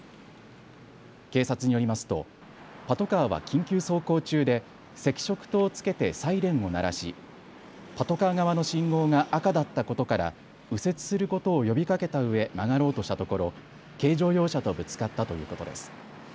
警察によりますとパトカーは緊急走行中で赤色灯をつけてサイレンを鳴らしパトカー側の信号が赤だったことから右折することを呼びかけたうえ曲がろうとしたところ軽乗用車とぶつかったということです。